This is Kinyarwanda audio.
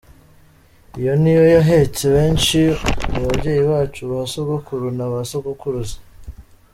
Iyo ni yo yahetse benshi mu babyeyi bacu, ba sogokuru na ba sogokuruza.